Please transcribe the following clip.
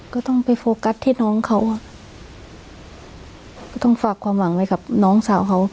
ก็ต้องไปโฟกัสที่น้องเขาอ่ะก็ต้องฝากความหวังไว้กับน้องสาวเขา